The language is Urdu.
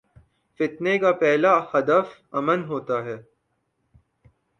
فتنے کا پہلا ہدف امن ہو تا ہے۔